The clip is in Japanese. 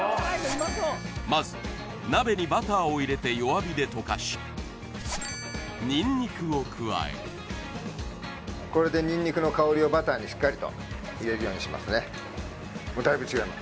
まず鍋にバターを入れて弱火で溶かしニンニクを加えるこれでニンニクの香りをバターにしっかりと入れるようにしますね